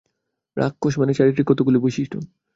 রাক্ষস মানে চারিত্রিক কতকগুলি বৈশিষ্ট্য।